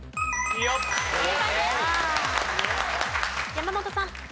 山本さん。